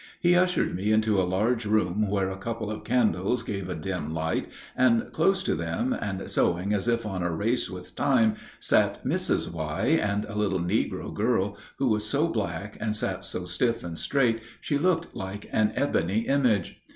He ushered me into a large room where a couple of candles gave a dim light, and close to them, and sewing as if on a race with Time, sat Mrs. Y. and a little negro girl, who was so black and sat so stiff and straight she looked like an ebony image.